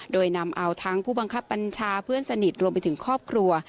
โดยนำเอาทั้งผู้บังคับบัญชาเพื่อนสนิทรวมไปถึงครอบครัว